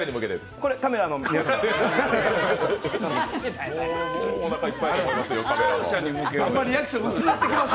これ、カメラの皆さんです。